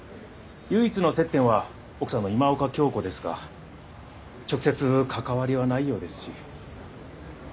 唯一の接点は奥さんの今岡鏡子ですが直接関わりはないようですし。